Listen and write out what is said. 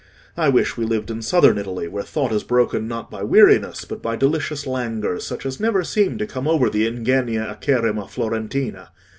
I wish we lived in Southern Italy, where thought is broken, not by weariness, but by delicious languors such as never seem to come over the 'ingenia acerrima Florentina.